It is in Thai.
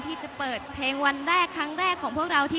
จบเฉิดจากรัฐชาติ